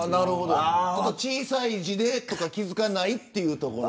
小さい字でとか気付かないというところ。